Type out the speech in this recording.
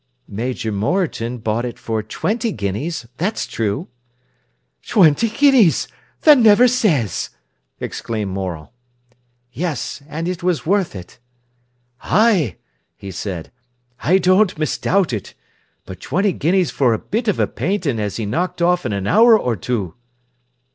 "Major Moreton bought it for twenty guineas, that's true." "Twenty guineas! Tha niver says!" exclaimed Morel. "Yes, and it was worth it." "Ay!" he said. "I don't misdoubt it. But twenty guineas for a bit of a paintin' as he knocked off in an hour or two!"